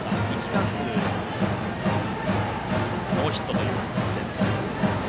１打数ノーヒットという成績。